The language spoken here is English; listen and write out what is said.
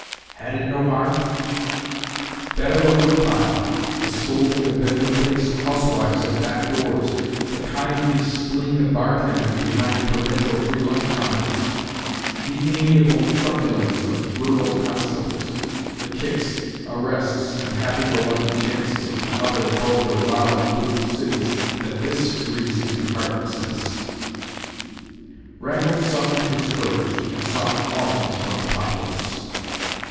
Had it no heart? Better the woodpile, the scolding of vinegar faced housewives at back doors, the kindly spleen of bartenders behind provincial free lunch counters, the amiable truculence of rural constables, the kicks, arrests and happy go lucky chances of the other vulgar, loud, crude cities than this freezing heartlessness. Raggles summoned his courage and sought alms from the populace.